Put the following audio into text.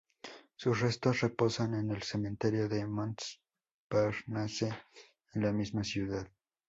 Sus restos reposan en el Cementerio de Montparnasse, en la misma ciudad.